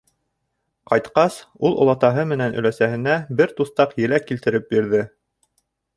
Ҡайтҡас, ул олатаһы менән өләсәһенә бер туҫтаҡ еләк килтереп бирҙе.